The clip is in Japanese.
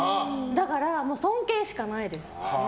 だから、尊敬しかないです。